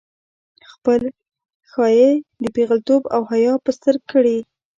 خپل ښايیت، پېغلتوب او حيا په ستر کړې وه